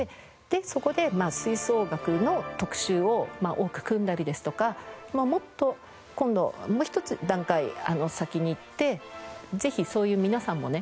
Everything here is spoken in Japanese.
そこで吹奏楽の特集を多く組んだりですとかもっと今度もう一つ段階先にいってぜひそういう皆さんもね